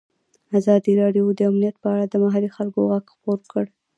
ازادي راډیو د امنیت په اړه د محلي خلکو غږ خپور کړی.